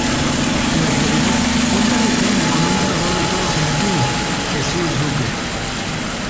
En la actualidad, cuenta Requena, con un matador de toros en activo: Jesús Duque.